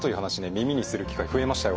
耳にする機会増えましたよ。